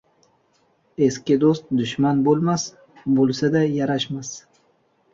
• Eski do‘st dushman bo‘lmas, bo‘lsa-da, yarashmas.